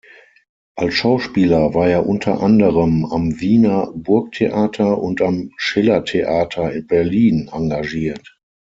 Als Schauspieler war er unter anderem am Wiener Burgtheater und am Schillertheater Berlin engagiert.